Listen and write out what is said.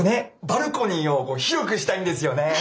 バルコニーを広くしたいんですよね。